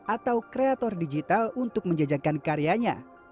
atau kreator digital untuk menjajakan karyanya